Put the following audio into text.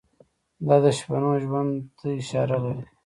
دا د شپنو ژوند ته اشاره لري.